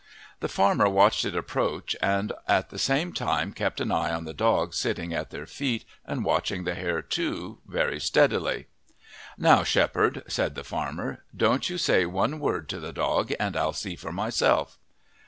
The farmer watched it approach and at the same time kept an eye on the dog sitting at their feet and watching the hare too, very steadily. "Now, shepherd," said the farmer, "don't you say one word to the dog and I'll see for myself."